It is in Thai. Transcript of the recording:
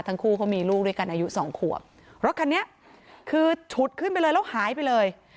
ทั้งคู่เขามีลูกด้วยกันอายุสองขวบรถคันนี้คือฉุดขึ้นไปเลยแล้วหายไปเลย